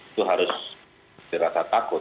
itu harus dirasa takut